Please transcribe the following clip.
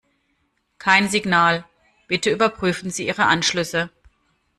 Kein Signal. Bitte überprüfen Sie Ihre Anschlüsse.